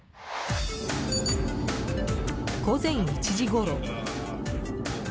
午前１時ごろ。